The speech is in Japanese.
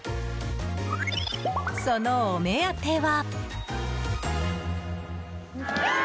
そのお目当ては。